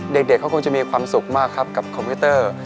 เด็กเขาคงจะมีความสุขมากครับกับคอมพิวเตอร์